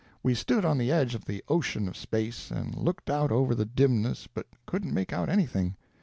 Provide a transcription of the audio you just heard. We stood on the edge of the ocean of space, and looked out over the dimness, but couldn't make out anything.